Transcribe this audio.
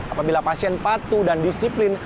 apabila pasien patuh dan disiplin